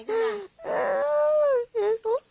อยากได้ร่างอยู่ตรงไหน